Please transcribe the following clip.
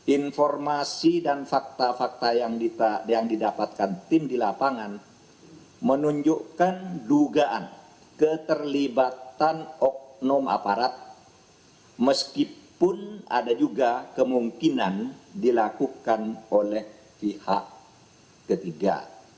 informasi dan fakta fakta yang didapatkan tim di lapangan menunjukkan dugaan keterlibatan oknum aparat meskipun ada juga kemungkinan dilakukan oleh pihak ketiga